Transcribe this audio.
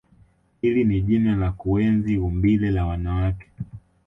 Hili ni jina la kuenzi umbile la wanawake